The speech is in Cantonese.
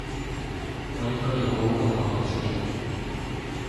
我應該要好好噉愛我自己